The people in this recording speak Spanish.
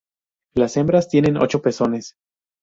Las hembras tienen ocho pezones.